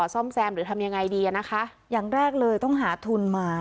ซ่อมแซมหรือทำยังไงดีอ่ะนะคะอย่างแรกเลยต้องหาทุนมา